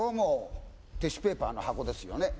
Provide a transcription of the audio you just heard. テッシュペーパーの箱ですよね。